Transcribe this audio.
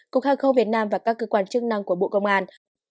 cục hàng không việt nam và các cơ quan chức năng của bộ công an